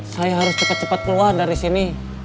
saya harus cepat cepat keluar dari sini